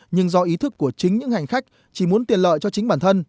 nhưng do ý thức của chính những hành khách chỉ muốn tiền lợi cho chính bản thân